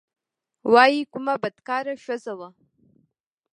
وايي کومه بدکاره ښځه وه.